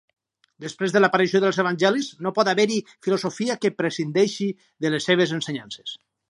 Després de l'aparició dels Evangelis no pot haver-hi filosofia que prescindeixi de les seves ensenyances.